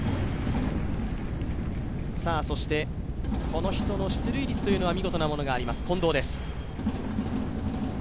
この人の出塁率は見事なものがあります、近藤です。